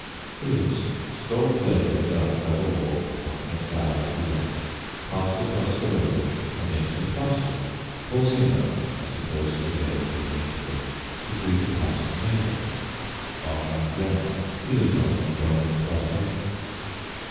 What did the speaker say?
Williamson strolled leisurely down the gravel walk, plucking a flower as he went, passed across the road and into the pasture, pausing a moment as he closed the gate leading into it, to greet a passing neighbor, Armour Wren, who lived on an adjoining plantation.